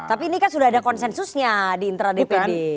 tapi ini kan sudah ada konsensusnya di intradpd